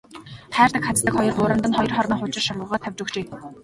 Хайрдаг хаздаг хоёр бууранд нь хоёр хормой хужир шорвогоо тавьж өгчээ.